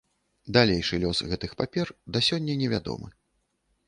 Далейшы лёс гэтых папер, да сёння невядомы.